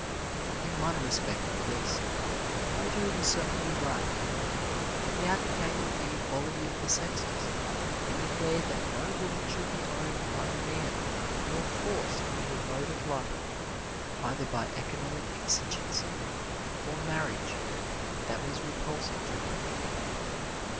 In one respect at least, Plato was certainly right: he advocated the equality of the sexes, and declared that no woman should be owned by a man nor forced into a mode of life, either by economic exigency or marriage, that was repulsive to her.